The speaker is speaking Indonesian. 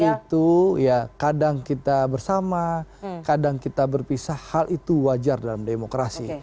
itu ya kadang kita bersama kadang kita berpisah hal itu wajar dalam demokrasi